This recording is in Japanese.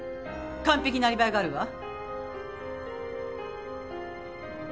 完璧なアリバイがあるわ。